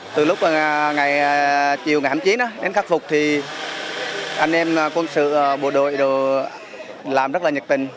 từ lúc chiều ngày hai mươi chín đến khắc phục thì anh em quân sự bộ đội làm rất là nhật tình